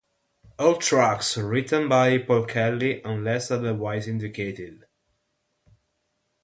All tracks written by Paul Kelly unless otherwise indicated.